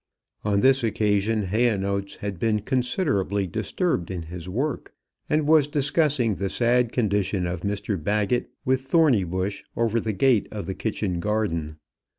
On this occasion Hayonotes had been considerably disturbed in his work, and was discussing the sad condition of Mr Baggett with Thornybush over the gate of the kitchen garden.